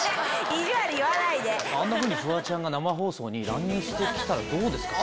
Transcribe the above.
あんなふうにフワちゃんが乱入して来たらどうですか？